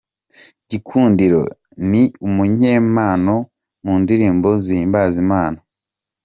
Gikundiro ni umunyempano mu ndirimbo zihimbaza Imana.